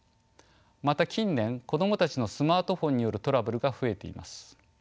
また近年子供たちのスマートフォンによるトラブルが増えています。